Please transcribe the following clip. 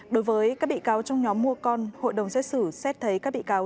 đối với các bị cáo trong nhóm mua con hội đồng xét xử xét thấy các bị cáo